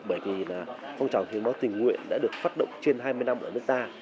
bởi vì phong trào hiến máu tình nguyện đã được phát động trên hai mươi năm ở nước ta